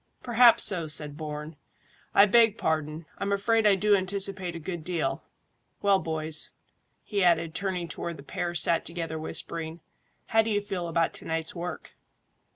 "Perhaps so," said Bourne. "I beg pardon; I'm afraid I do anticipate a good deal. Well, boys," he added, turning to where the pair sat together whispering, "how do you feel about to night's work?"